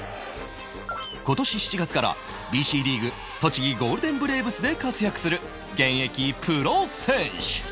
今年７月から ＢＣ リーグ栃木ゴールデンブレーブスで活躍する現役プロ選手